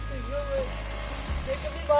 วันที่สุดท้ายเกิดขึ้นเกิดขึ้น